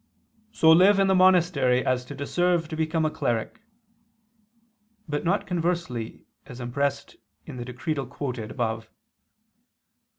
"So live in the monastery as to deserve to become a cleric"; but not conversely, as expressed in the Decretal quoted (XIX, qu.